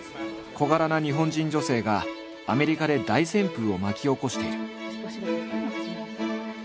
小柄な日本人女性がアメリカで大旋風を巻き起こしている。